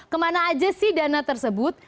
kemana aja sih dana tersebut